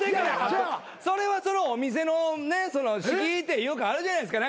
それはそのお店の敷居っていうかあるじゃないですか。